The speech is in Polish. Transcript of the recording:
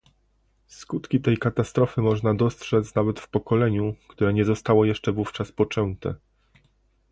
Skutki tej katastrofy można dostrzec nawet w pokoleniu, które nie zostało jeszcze wówczas poczęte